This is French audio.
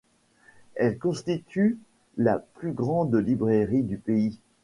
Elle constitue la plus grande librairie du pays.